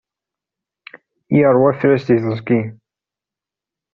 Yeṛwa afras di teẓgi.